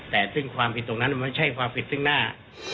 แต่ซึ่งความผิดตรงนั้นมันไม่ใช่ความผิดซึ่งหน้า